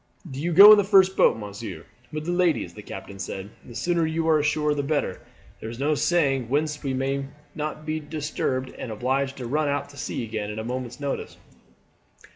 "Do you go in the first boat, monsieur, with the ladies," the captain said. "The sooner you are ashore the better. There is no saying whether we may not be disturbed and obliged to run out to sea again at a moment's notice."